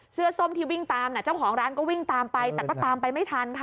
ส้มที่วิ่งตามเจ้าของร้านก็วิ่งตามไปแต่ก็ตามไปไม่ทันค่ะ